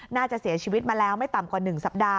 น่าจะเสียชีวิตมาแล้วไม่ต่ำกว่า๑สัปดาห